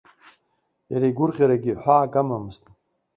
Иара игәырӷьарагьы ҳәаак амамызт.